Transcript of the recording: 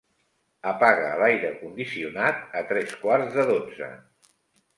Apaga l'aire condicionat a tres quarts de dotze.